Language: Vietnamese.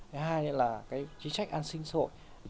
thứ hai là chính trách an sinh xã hội